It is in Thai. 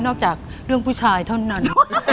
จากเรื่องผู้ชายเท่านั้น